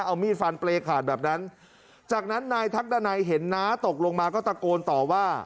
เอามีดฟันเปรย์ขาดแบบนั้นจากนั้นนายทักดันัยเห็นน้าตกลงมาก็ตะโกนต่อว่า